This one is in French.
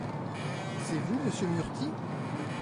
C’est vous monsieur Murthy ?